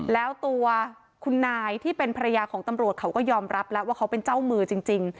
แล้วตัวคุณนายที่เป็นภรรยาของตำรวจเขาก็ยอมรับแล้วว่าเขาเป็นเจ้ามือจริง